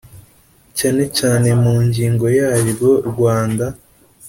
cyane cyane mu ngingo yaryo Rwanda